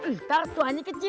ntar tuanya kecil